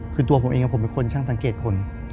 คือตัวผมเองผมเป็นคนช่างสังเกตคน